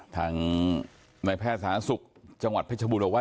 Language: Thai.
ทางนายแพทย์สาธารณสุขจังหวัดเพชรบูรณบอกว่า